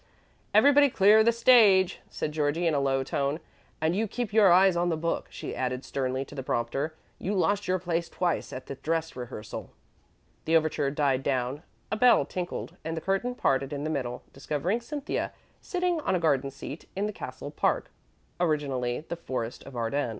"Everybody clear the stage," said Georgie, in a low tone, "and you keep your eyes on the book," she added sternly to the prompter; "you lost your place twice at the dress rehearsal." The overture died down; a bell tinkled, and the curtain parted in the middle, discovering Cynthia sitting on a garden seat in the castle park (originally the Forest of Arden).